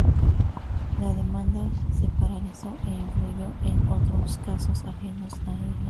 La demanda se paralizó e influyó en otros casos ajenos a ella.